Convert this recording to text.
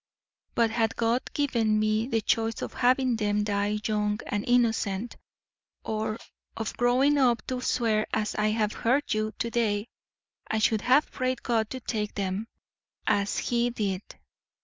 But had God given me the choice of having them die young and innocent, or of growing up to swear as I have heard you to day, I should have prayed God to take them, as He did.